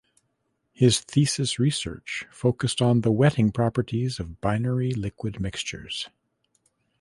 His thesis research focused on the wetting properties of binary liquid mixtures.